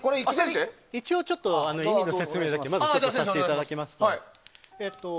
一応、意味を説明させていただきます。